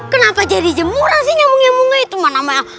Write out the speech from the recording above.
kenapa jadi jemuran sih nyamung nyamungnya itu mah namanya